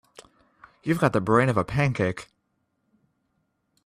You've got the brain of a pancake.